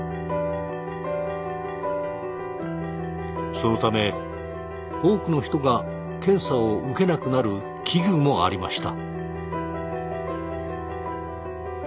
そのため多くの人が検査を受けなくなる危惧もありました。